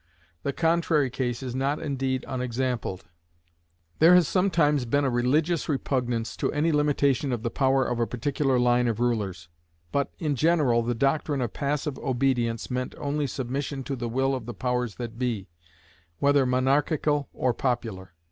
The contrary case is not indeed unexampled; there has sometimes been a religious repugnance to any limitation of the power of a particular line of rulers; but, in general, the doctrine of passive obedience meant only submission to the will of the powers that be, whether monarchical or popular.